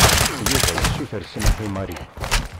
Yuba yessuter smeḥ i Mary.